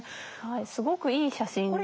すごくいい写真なんですよね。